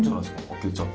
開けちゃって。